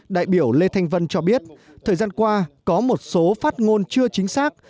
đại biểu lê thanh vân cho biết thời gian qua có một số phát ngôn chưa chính xác